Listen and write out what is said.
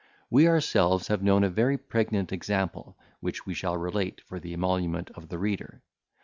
We ourselves have known a very pregnant example, which we shall relate, for the emolument of the reader.